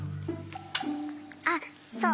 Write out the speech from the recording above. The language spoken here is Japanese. あっそう。